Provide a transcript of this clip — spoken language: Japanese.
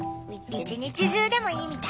一日中でもいいみたい。